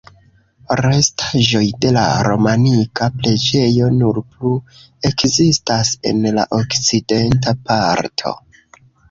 Restaĵoj de la romanika preĝejo nur plu ekzistas en la okcidenta parto.